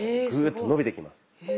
グーッと伸びてきます。